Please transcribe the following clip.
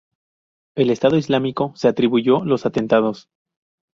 El Estado Islámico se atribuyó los atentados.